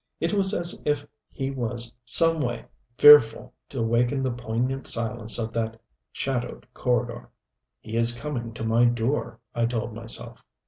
It was as if he was some way fearful to waken the poignant silence of that shadowed corridor. "He is coming to my door," I told myself.